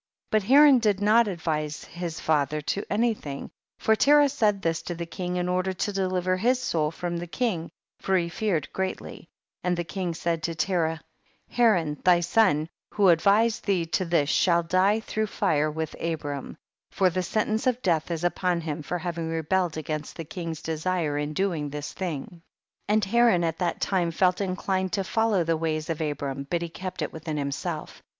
17. But Haran did not advise his father to anything, for Terah said this to the king in order to deliver his soul from the king, for he feared greatly ; and the king said to Terah, Haran thy son who advised thee to this shall die through fire with Abram ; for the sentence of death is upon him for having rebelled against the king's ' desire in doing this thing. 18. And Haran at that time felt THE BOOK OF JASHER. 31 jncJined to follow the ways of Abram, but he ke})t it within himself.